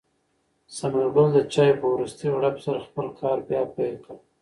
ثمر ګل د چای په وروستۍ غړپ سره خپل کار بیا پیل کړ.